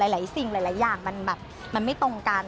หลายสิ่งหลายอย่างมันแบบมันไม่ตรงกัน